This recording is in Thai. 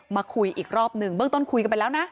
มาคุยอีกรอบหนึ่งเบื้องต้นคุยกันไปแล้วนะ